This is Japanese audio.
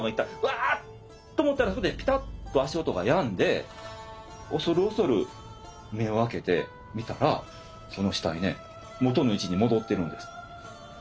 ワーッと思ったらそこでピタッと足音がやんで恐る恐る目を開けて見たらその死体ね元の位置に戻ってるんです。